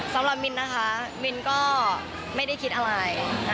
สำหรับมินนะคะมินก็ไม่ได้คิดอะไร